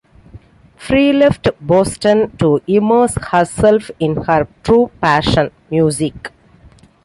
Free left Boston to immerse herself in her true passion: music.